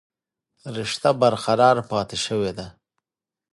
رشته برقرار پاتې شوې ده